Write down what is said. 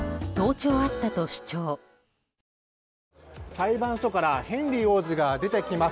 裁判所からヘンリー王子が出てきます。